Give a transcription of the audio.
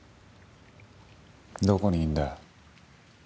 どこにいるんだよ？